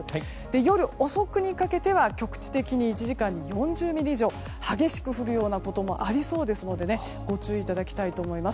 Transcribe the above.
夜遅くにかけては局地的に１時間に４０ミリ以上激しく降るようなところもありそうですのでご注意いただきたいと思います。